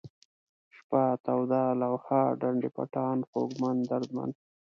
شپه ، توده ، لوحه ، ډنډ پټان ، خوږمن ، دردمن